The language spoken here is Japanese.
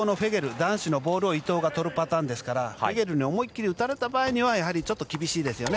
男子のボールを伊藤がとるパターンですからフェゲルに思いきり打たれた場合にはやはりちょっと厳しいですよね